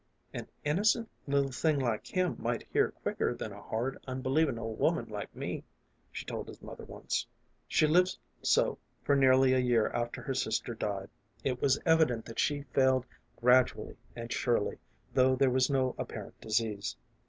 " An innocent little thing like him might hear quicker than a hard, unbelievin' old woman like me," she told his mother unce. She lived so for nearly a year after her sister died. It was evident that she failed gradually and surely, though there was no apparent disease.